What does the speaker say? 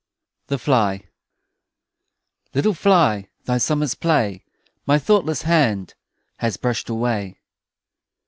THE FLY Little Fly, Thy summer's play My thoughtless hand Has brushed away.